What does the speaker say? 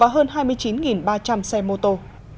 hơn hai mươi chín ba trăm linh xe mô tô